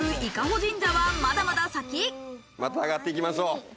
また上がっていきましょう。